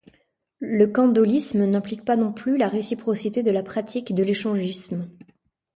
Le candaulisme n'implique pas non plus la réciprocité de la pratique de l'échangisme.